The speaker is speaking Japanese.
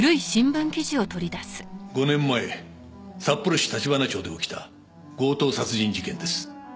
５年前札幌市橘町で起きた強盗殺人事件です。